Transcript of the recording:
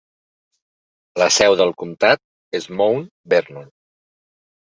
La seu del comtat és Mount Vernon.